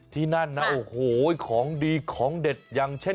ที่นั่นนะโอ้โหของดีของเด็ดอย่างเช่น